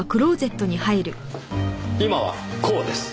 今はこうです。